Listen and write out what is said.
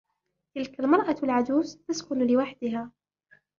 تلك المرأة العجوز تسكن لوحدها.